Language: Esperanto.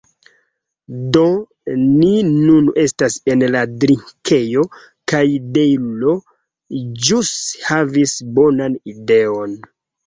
Do ni nun estas en la drinkejo, kaj Dejlo ĵus havis bonan ideon.